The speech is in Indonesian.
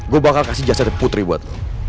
gue bakal kasih jasad putri buat lo